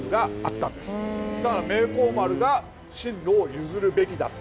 だから明光丸が進路を譲るべきだった。